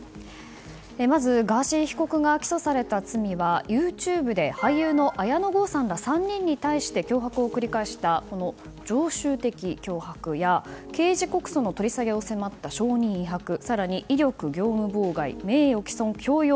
まず、ガーシー被告が起訴された罪はＹｏｕＴｕｂｅで俳優の綾野剛さんら３人に対して脅迫を繰り返した、常習的脅迫や刑事告訴の取り下げを迫った証人威迫更に威力業務妨害、名誉毀損、強要。